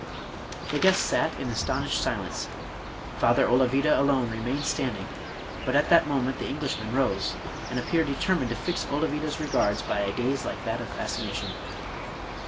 The guests sat in astonished silence. Father Olavida alone remained stand ing; but at that moment the Englishman rose, and ap peared determined to fix Olavida's regards by a gaze like that of fascination.